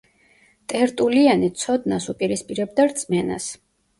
ტერტულიანე ცოდნას უპირისპირებდა რწმენას.